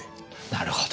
なるほど。